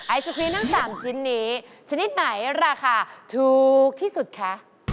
ไอศครีมทั้ง๓ชิ้นนี้ชนิดไหนราคาถูกที่สุดคะ